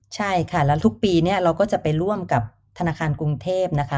ใช่ค่ะแล้วทุกปีเนี่ยเราก็จะไปร่วมกับธนาคารกรุงเทพนะคะ